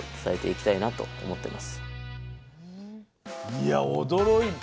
いや驚いた。